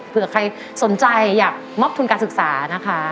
เผื่อใครสนใจอยากมอบทุนการศึกษานะคะ